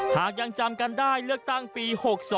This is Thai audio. หากยังจำกันได้เลือกตั้งปี๖๒